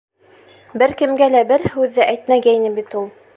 Бер кемгә лә бер һүҙ ҙә әйтмәгәйне бит ул...